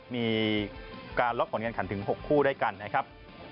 มีการล็อกผลการขันถึง๖คู่ด้วยกันนะครับ